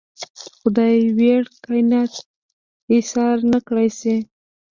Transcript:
د خدای ویړ کاینات ایسار نکړای شي.